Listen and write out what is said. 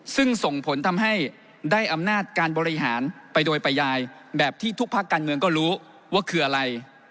ซึ่งส่งผลทำให้ได้อำนาจการบริหารไปโดยประยายแบบที่ทุกภาคการเมืองก็รู้ว่าคืออะไร